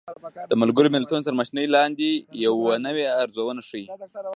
د ملګرو ملتونو تر مشرۍ لاندې يوه نوې ارزونه ښيي